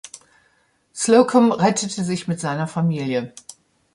Slocum rettete sich mit seiner Familie.